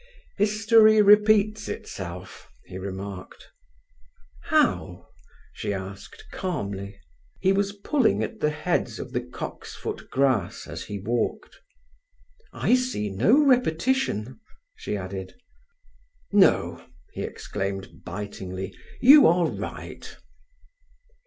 "History repeats itself," he remarked. "How?" she asked calmly. He was pulling at the heads of the cocksfoot grass as he walked. "I see no repetition," she added. "No," he exclaimed bitingly; "you are right!"